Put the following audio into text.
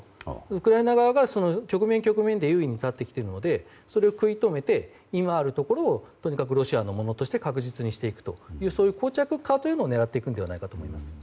ウクライナ側が局面局面で優位に立ってきているのでそれを食い止めて今あるところをとにかくロシアのものとして確実にしていくという膠着化を狙うと思います。